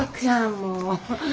もう。